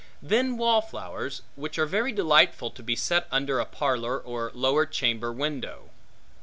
Then wall flowers, which are very delightful to be set under a parlor or lower chamber window.